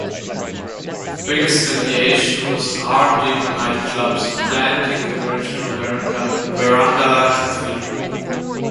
The biggest deviation was an art deco night club supplanting the original Verandah Cafe.